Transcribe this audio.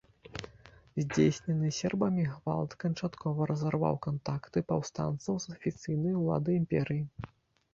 Здзейснены сербамі гвалт канчаткова разарваў кантакты паўстанцаў з афіцыйнай уладай імперыі.